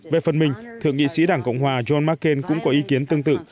về phần mình thượng nghị sĩ đảng cộng hòa john mccain cũng có ý kiến tương tự